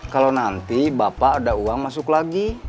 kalau nanti bapak ada uang masuk lagi